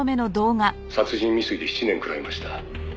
「殺人未遂で７年食らいました」